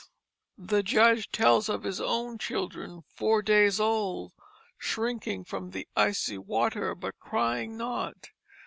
The Judge tells of his own children four days old shrinking from the icy water, but crying not.